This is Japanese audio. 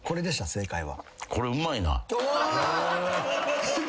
正解は。